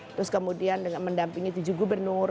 terus kemudian dengan mendampingi tujuh gubernur